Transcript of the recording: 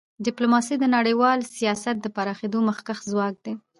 ډیپلوماسي د نړیوال سیاست د پراخېدو مخکښ ځواک دی.